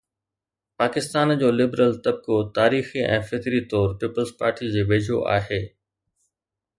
پاڪستان جو لبرل طبقو تاريخي ۽ فطري طور پيپلز پارٽيءَ جي ويجهو آهي.